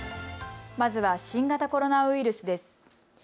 まずは新型コロナウイルスです。